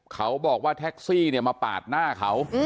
เขาบอกว่าแท็กซี่เนี่ยมาปาดหน้าเขา